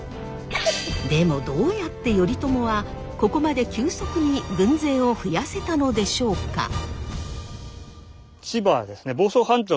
でもどうやって頼朝はここまで急速に軍勢を増やせたのでしょうか？